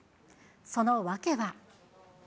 その訳は。